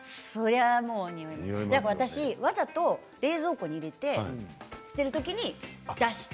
だから私、わざと冷蔵庫に入れて捨てるときに出して。